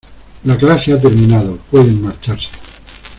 la clase ha terminado, pueden marcharse.